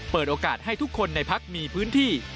เปิดโอกาสให้ทุกคนในพักมีพื้นที่